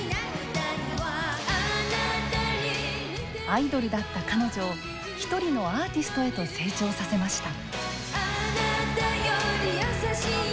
アイドルだった彼女を一人のアーティストへと成長させました。